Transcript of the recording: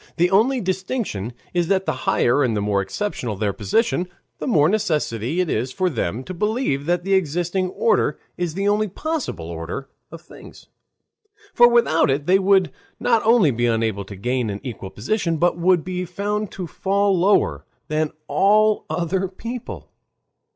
The only distinction is that the higher and the more exceptional their position, the more necessary it is for them to believe that the existing order is the only possible order of things. For without it they would not only be unable to gain an equal position, but would be found to fall lower than all other people.